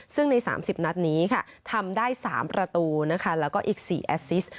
ซึ่งใน๓๐นัดนี้ทำได้๓ประตูแล้วก็อีก๔แอซิสต์